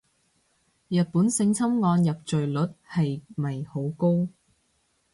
日本性侵案入罪率係咪好高